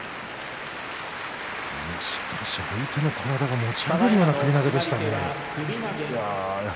相手の体が持ち上がるような首投げでしたね。